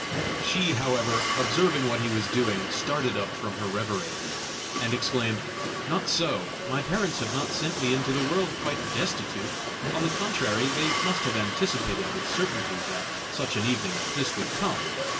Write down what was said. She, however, observing what he was doing, started up from her reverie, and exclaimed: "Not so! my parents have not sent me into the world quite destitute; on the contrary, they must have anticipated with certainty that such an evening as this would come."